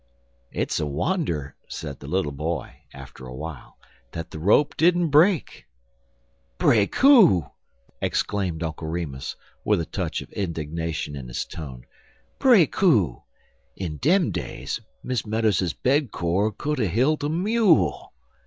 "It's a wonder," said the little boy, after a while, "that the rope didn't break." "Break who?" exclaimed Uncle Remus, with a touch of indignation in his tone "break who? In dem days, Miss Meadows's bed cord would a hilt a mule."